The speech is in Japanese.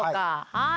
はい。